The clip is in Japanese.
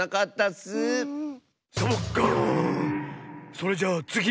それじゃあつぎ！